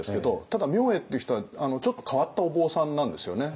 ただ明恵っていう人はちょっと変わったお坊さんなんですよね。